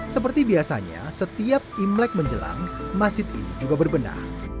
seperti biasanya setiap imlek menjelang masjid ini juga berbenah